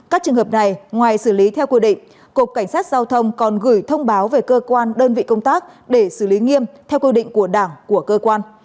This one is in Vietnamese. các trường hợp này ngoài xử lý theo quy định cục cảnh sát giao thông còn gửi thông báo về cơ quan đơn vị công tác để xử lý nghiêm theo quy định của đảng của cơ quan